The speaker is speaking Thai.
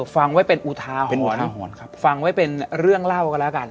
ฟังไว้เป็นอุทาหวนเป็นอุทาหวนครับฟังไว้เป็นเรื่องเล่ากันแล้วกัน